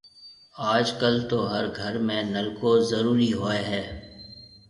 اج ڪل تو هر گهر ۾ نلڪو زرورِي هوئي هيَ۔